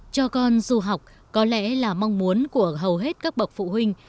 cho con du học có lẽ là mong muốn của hầu hết các bậc phụ huynh